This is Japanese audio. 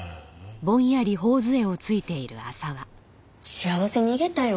幸せ逃げたよ。